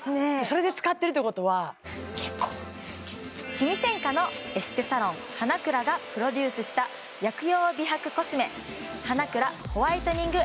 シミ専科のエステサロン花蔵がプロデュースした薬用美白コスメ花蔵ホワイトニング